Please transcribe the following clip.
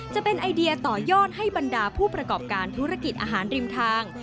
จะเป็นไอเดียต่อยอดให้บรรดาผู้ประกอบการธุรกิจอาหารริมทาง